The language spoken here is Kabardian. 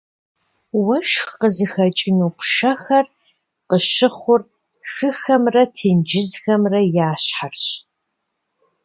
Уэшх къызыхэкӏыну пшэхэр къыщыхъур хыхэмрэ тенджызхэмрэ я щхьэрщ.